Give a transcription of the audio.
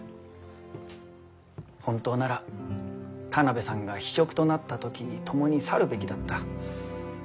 本当なら田邊さんが非職となった時に共に去るべきだった。